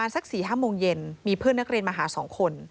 สัก๔๕โมงเย็นมีเพื่อนนักเรียนมาหา๒คน